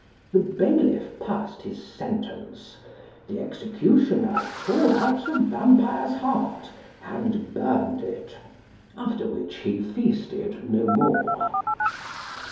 The bailiff passed his sentence; the executioner tore out the vampire's heart, and burned it, after which he feasted no more.